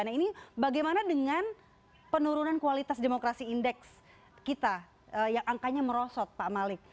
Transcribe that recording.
nah ini bagaimana dengan penurunan kualitas demokrasi indeks kita yang angkanya merosot pak malik